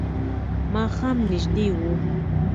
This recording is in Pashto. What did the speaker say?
ماښام نژدې و.